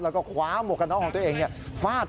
แล้วก็คว้าเหมาะกับน้องของตัวเอง